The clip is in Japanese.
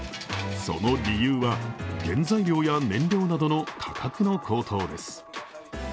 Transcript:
その理由は、原材料や燃料などの価格の高騰です。